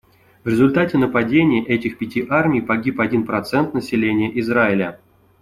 В результате нападения этих пяти армий погиб один процент населения Израиля.